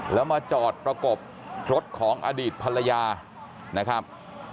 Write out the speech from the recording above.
แล้วมาจอดประกบรถของอดีตภรรยานะครับ